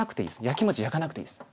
やきもちやかなくていいです。